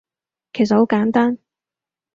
其實好簡單